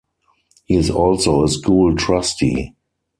He is also a school trustee.